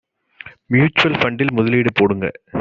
mutual ஃபண்டில் முதலீடு போடுங்க